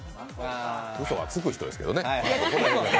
うそはつく人ですけどね。